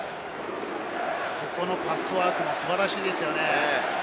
ここのパスワークも素晴らしいですよね。